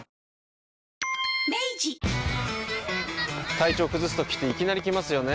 体調崩すときっていきなり来ますよね。